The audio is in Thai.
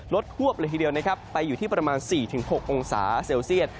ฮวบเลยทีเดียวนะครับไปอยู่ที่ประมาณ๔๖องศาเซลเซียต